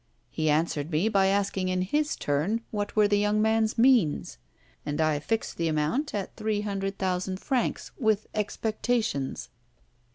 He answered me by asking in his turn what were the young man's means; and I fixed the amount at three hundred thousand francs with expectations."